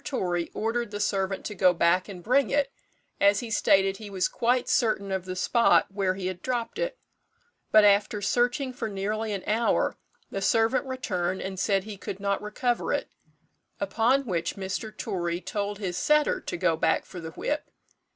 Torry ordered the servant to go back and bring it, as he stated he was quite certain of the spot where he had dropped it; but after searching for nearly an hour, the servant returned and said he could not recover it, upon which Mr. Torry told his setter to go back for the whip.